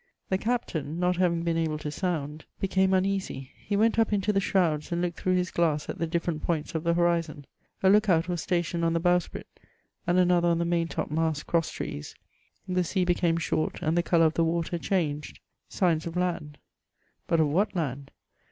The captain, not having been able to sound. 306 MEHOIBS OF became uneasy ; he went up into the shrouds, and looked l&roug^ his glass at the different points of the hori«>n. A look out was stationed on the boWsprit, and another on the maintop mast cross* trees. The sea became short, and the colour of the water changed, signs of land ; but of what land